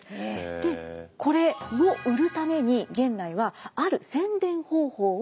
でこれを売るために源内はある宣伝方法を実践しました。